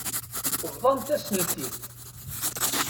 Bḍant-asen-tent-id.